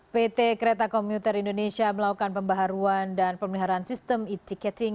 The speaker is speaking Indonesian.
pt kereta komuter indonesia melakukan pembaharuan dan pemeliharaan sistem e ticketing